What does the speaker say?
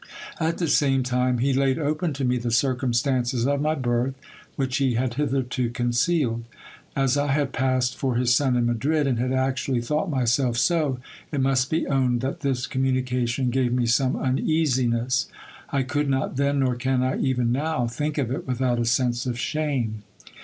At the same time he laid open to me the circum stances of my birth, which he had hitherto concealed. As I had passed for his son in Madrid, and had actually thought myself so, it must be owned that this communication gave me some uneasiness. I could not then, nor can I even now, think of it without a sense of shame.